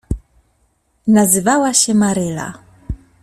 Nazywała się Maryla.